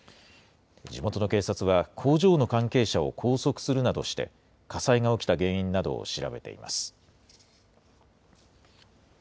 地元の警察は、工場の関係者を拘束するなどして、火災が起きた原因などを調べています。